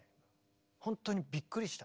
本当にびっくりした。